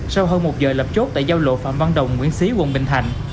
sau hơn một giờ lập chốt tại giao lộ phạm văn đồng nguyễn xí quận bình thạnh